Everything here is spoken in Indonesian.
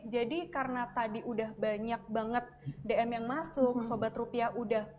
jadi karena tadi udah banyak banget dm yang masuk sobat rupiah udah penasaran